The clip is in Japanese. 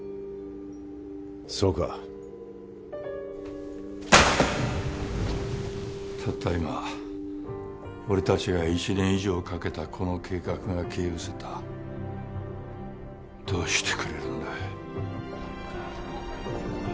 そうかたった今俺達が１年以上かけたこの計画が消えうせたどうしてくれるんだい？